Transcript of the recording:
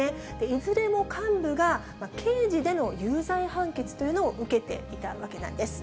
いずれも幹部が刑事での有罪判決というのを受けていたわけなんです。